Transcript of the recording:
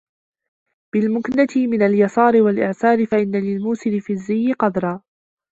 بِالْمُكْنَةِ مِنْ الْيَسَارِ وَالْإِعْسَارِ فَإِنَّ لِلْمُوسِرِ فِي الزِّيِّ قَدْرًا